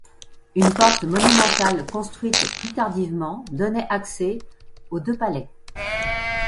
Une porte monumentale, construite plus tardivement, donnait accès aux deux palais.